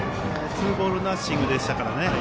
ツーボールナッシングでしたからね。